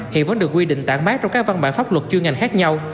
hiện vẫn được quy định tảng mác trong các văn bản pháp luật chuyên ngành khác nhau